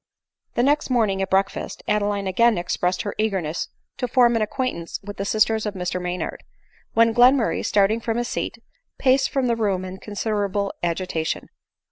The next morning at breakfast, Adeline again express ed her eagerness to form an acquaintance with the sisters of Mr Maynard ; when Glenmurray, starting from his seat, paced the room in considerable agitation.